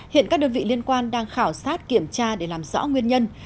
hiện các đơn vị liên quan đang khảo sát kiểm tra để làm rõ nguyên nhân